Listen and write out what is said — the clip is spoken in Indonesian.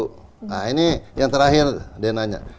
nah ini yang terakhir dia nanya